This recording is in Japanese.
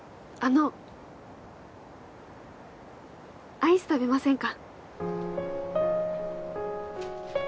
アイス食べませんか？